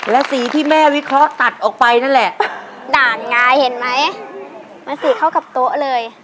แล้วสีที่แม่วิเคราะห์ตัดออกไปนั่นแหละด่านงายเห็นไหมมันสีเข้ากับโต๊ะเลย